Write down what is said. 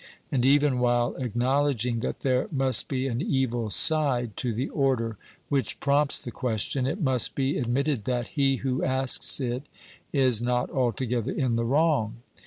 And even while acknowledging that there must be an evil side to the order which prompts the question, it must be admitted that he who asks it is not altogether in the wrong.